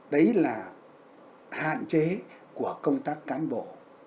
đấy là hạn chế của công tác cán bộ